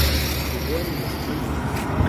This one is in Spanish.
Jugó en el St.